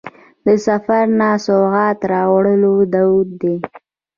د سفر نه سوغات راوړل دود دی.